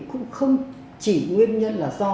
cũng không chỉ nguyên nhân là do